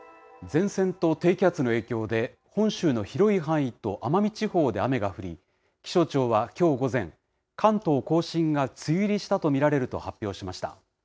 前線と低気圧の影響で、本州の広い範囲と奄美地方で雨が降り、気象庁はきょう午前、関東甲信が梅雨入りしたと見られると発表しました。